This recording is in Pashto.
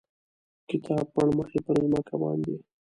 کتاب پړمخې پر مځکه باندې،